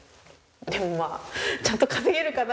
でもまあちゃんと稼げるかな。